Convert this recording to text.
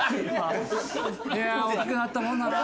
いやあ大きくなったもんだな。